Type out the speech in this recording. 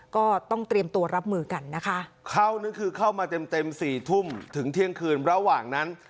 ก็ต้องเตรียมตัวรับมือกันนะคะเข้านี่คือเข้ามาเต็มเต็มสี่ทุ่มถึงเที่ยงคืนระหว่างนั้น